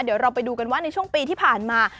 เดี๋ยวเราไปดูกันว่าในช่วงปีที่ผ่านมา